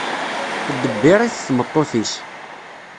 Teddebbir-it tmeṭṭut-is.